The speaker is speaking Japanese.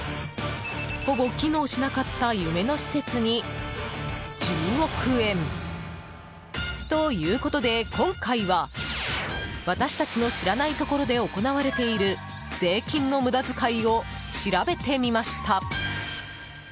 ほぼ機能しなかった夢の施設に１０億円。ということで、今回は私たちの知らないところで行われている税金の無駄遣いを調べてみました。